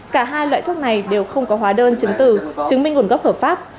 cả hai loại thuốc này đều không có hóa đơn chứng từ chứng minh nguồn gốc hợp pháp